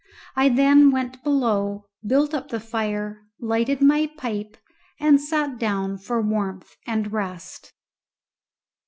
I then went below, built up the fire, lighted my pipe, and sat down for warmth and rest.